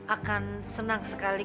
akan senang sekali